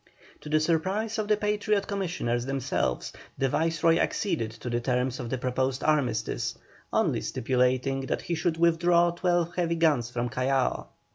To the surprise of the Patriot Commissioners themselves, the Viceroy acceded to the terms of the proposed armistice, only stipulating that he should withdraw twelve heavy guns from Callao.